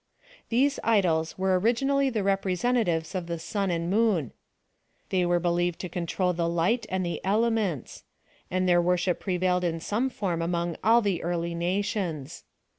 These idols were originally the representatives of the sun and moon ; Ihey were believed to control the light and the ele ments ; and their worship prevailed in some form among all the early nations.